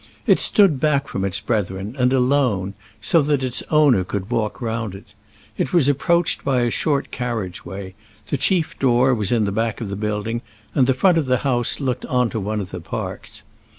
It stood back from its brethren, and alone, so that its owner could walk round it. It was approached by a short carriageway; the chief door was in the back of the building; and the front of the house looked on to one of the parks.